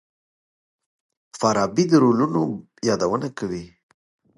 فارابي د رولونو يادونه کوي.